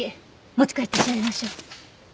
持ち帰って調べましょう。